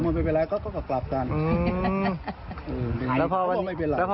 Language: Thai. คุณยายเปิดเผยว่าคุณตาป่วยเป็นผู้ป่วยติดเตียงเป็นปีแล้วนะคะ